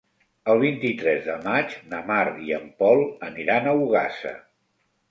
El vint-i-tres de maig na Mar i en Pol aniran a Ogassa.